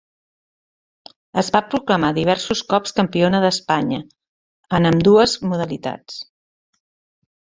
Es va proclamar diversos cops campiona d'Espanya en ambdues modalitats.